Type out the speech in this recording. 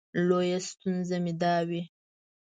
لویه ستونزه مې دا وي.